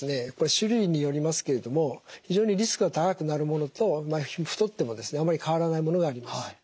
種類によりますけれども非常にリスクが高くなるものと太ってもですねあまり変わらないものがあります。